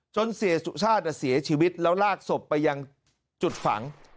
เสียสุชาติเสียชีวิตแล้วลากศพไปยังจุดฝัง